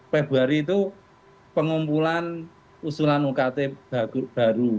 februari itu pengumpulan usulan ukt baru